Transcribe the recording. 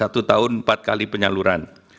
satu tahun empat kali penyaluran